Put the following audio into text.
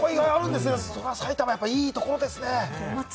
埼玉いいところですね。